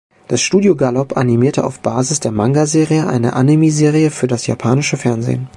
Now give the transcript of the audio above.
Das Studio Gallop animierte auf Basis der Manga-Serie eine Anime-Serie für das japanische Fernsehen.